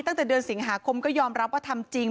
ตั้งแต่เดือนสิงหาคมก็ยอมรับว่าทำจริง